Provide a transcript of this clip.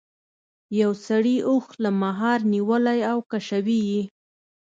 یو سړي اوښ له مهار نیولی او کشوي یې.